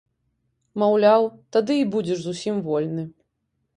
Маўляў, тады і будзеш зусім вольны.